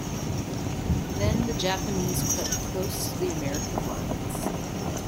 Then the Japanese crept close to the American lines.